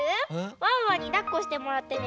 ワンワンにだっこしてもらってね